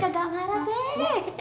gak gak marah be